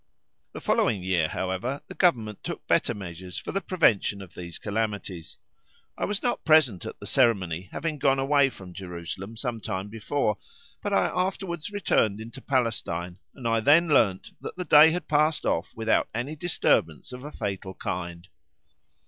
The following year, however, the Government took better measures for the prevention of these calamities. I was not present at the ceremony, having gone away from Jerusalem some time before, but I afterwards returned into Palestine, and I then learned that the day had passed off without any disturbance of a fatal kind.